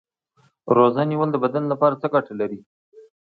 روژه نیول د بدن لپاره څه ګټه لري